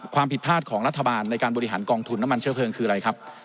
ความผิดพลาดของรัฐบาลในการบริหารกองทุนน้ำมันเชื้อเพลิงคืออะไรครับ